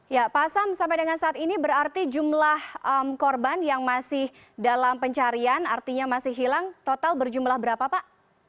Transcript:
ya pak sam sampai dengan saat ini berarti jumlah korban yang masih dalam pencarian artinya masih hilang total berjumlah berapa pak